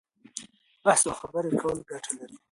بحث او خبرې کول ګټه لري.